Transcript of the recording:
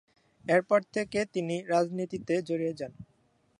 এরপর থেকে তিনি রাজনীতিতে জড়িয়ে যান।